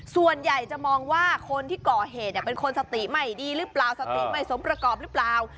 ส่วนใหญ่จะมองว่าคนที่ก่อเหตุเป็นคนสติไม่ดีหรือเปล่าสติไม่สมประกอบหรือเปล่า